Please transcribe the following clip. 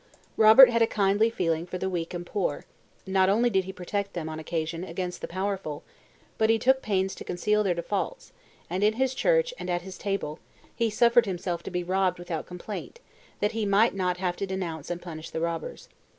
Robert had a kindly feeling for the weak and poor; not only did he protect them, on occasion, against the powerful, but he took pains to conceal their defaults, and, in his church and at his table, he suffered himself to be robbed without complaint, that he might not have to denounce and punish the robbers.